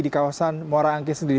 di kawasan muara angki sendiri